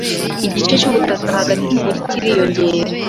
Igiciro cyubutaka hagati mu mujyi kiriyongera.